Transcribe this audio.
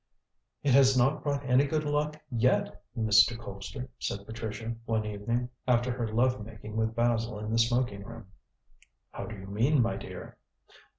"It has not brought any good luck yet, Mr. Colpster," said Patricia one evening, after her lovemaking with Basil in the smoking room. "How do you mean, my dear?"